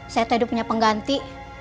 saya teh tuh punya pengganti